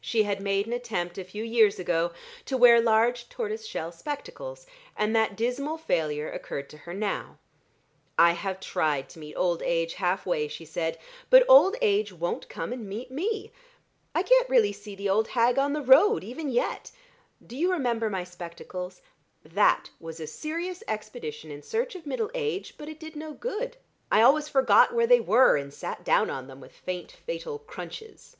She had made an attempt a few years ago to wear large tortoise shell spectacles, and that dismal failure occurred to her now. "I have tried to meet old age halfway," she said, "but old age won't come and meet me! I can't really see the old hag on the road even yet. Do you remember my spectacles? That was a serious expedition in search of middle age, but it did no good. I always forgot where they were, and sat down on them with faint fatal crunches.